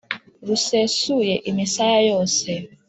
rusesuye imisaya yose.